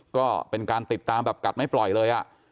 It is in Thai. ก็เป็นการติดตามแบบกัดไม่ปล่อยเลย